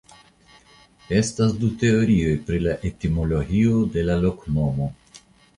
Estas du teorioj pri la etimologio de la loknomo.